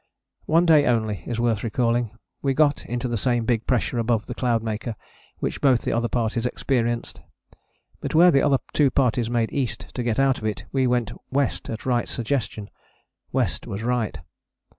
One day only is worth recalling. We got into the same big pressure above the Cloudmaker which both the other parties experienced. But where the other two parties made east to get out of it, we went west at Wright's suggestion: west was right.